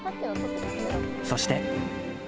そして。